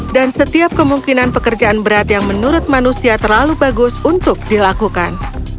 dan setiap kemungkinan pekerjaan berat yang menurut manusia terlalu bagus untuk dilakukan